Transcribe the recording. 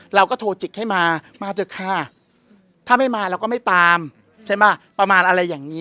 เราก็โทรจิกให้มามาเถอะค่ะถ้าไม่มาเราก็ไม่ตามใช่ไหมประมาณอะไรอย่างนี้